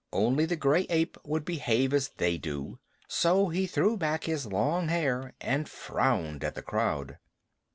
"Only the gray ape would behave as they do." So he threw back his long hair and frowned at the crowd.